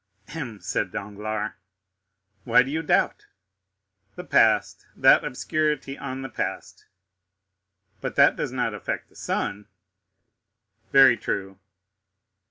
"Hem," said Danglars. "Why do you doubt?" "The past—that obscurity on the past." "But that does not affect the son." "Very true."